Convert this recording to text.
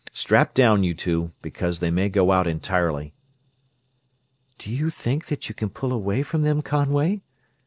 Strap down, you two, because they may go out entirely." "Do you think that you can pull away from them, Conway?"